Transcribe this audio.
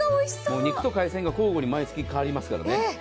肉と海鮮が交互に毎月変わりますからね。